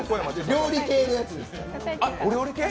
料理系のやつです。